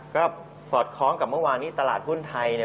ก็สอดคล้องกับเมื่อวานนี้ตลาดหุ้นไทยเนี่ย